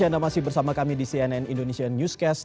dan masih bersama kami di cnn indonesia newscast